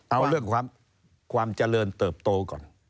เอาเรื่องความเจริญเติบโตก่อน